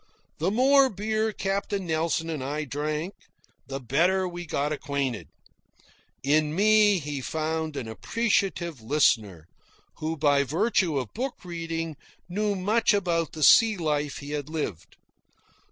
The more beer Captain Nelson and I drank, the better we got acquainted. In me he found an appreciative listener, who, by virtue of book reading, knew much about the sea life he had lived.